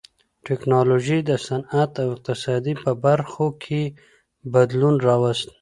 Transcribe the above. ټکنالوژۍ د صنعت او اقتصاد په برخو کې بدلون راوست.